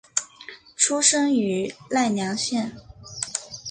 出身于奈良县。